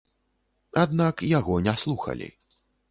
Аднак яго не слухалі.